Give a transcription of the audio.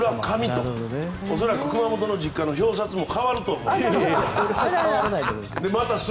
恐らく村上の実家の表札も変わると思います。